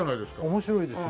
面白いですね。